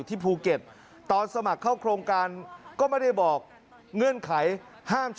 เหลือติดเราก็แค่กำไรนิดหน่อย